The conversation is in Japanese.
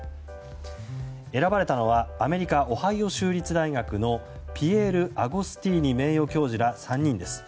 選ばれたのはアメリカ・オハイオ州立大学のピエール・アゴスティーニ名誉教授ら３人です。